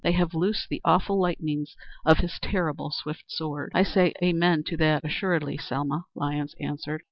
'They have loosed the awful lightnings of his terrible swift sword.'" "I say 'amen' to that assuredly, Selma," Lyons answered.